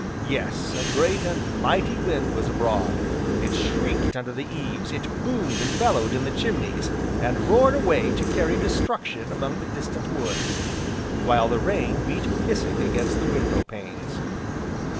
Yes, a great, and mighty wind was abroad, it shrieked under the eaves, it boomed and bellowed in the chimneys, and roared away to carry destruction among the distant woods; while the rain beat hissing against the window panes.